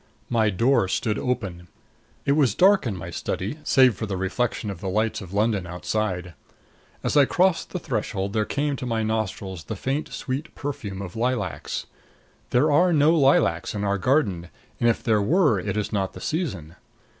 My door stood open. It was dark in my study, save for the reflection of the lights of London outside. As I crossed the threshold there came to my nostrils the faint sweet perfume of lilacs. There are no lilacs in our garden, and if there were it is not the season.